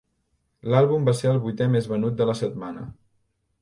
L'àlbum va ser el vuitè més venut de la setmana.